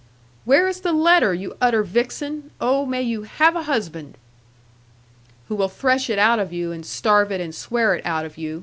'Where is the letter, you utter vixen! Oh, may you have a husband!' 'Who will thresh it out of you, and starve it, and swear it out of you!'